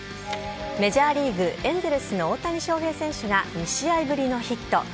メジャーリーグ・エンゼルスの大谷翔平選手が２試合ぶりのヒット。